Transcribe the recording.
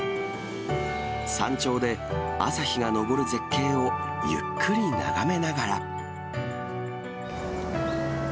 山頂で朝日が昇る絶景をゆっくり眺めながら。